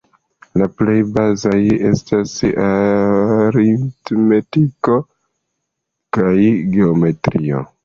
La plej bazaj estas aritmetiko kaj geometrio.